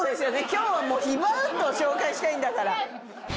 今日はもうヒバウッドを紹介したいんだから。